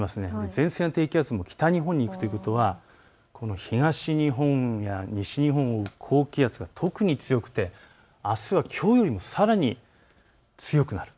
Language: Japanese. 前線と低気圧が北に行くということは東日本や西日本が特に高気圧強くて、あすはきょうよりも、強くなる。